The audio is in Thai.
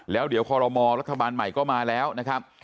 แล้วเดี๋ยวคอรมอรัฐบาลใหม่ก็มาแล้วนะครับ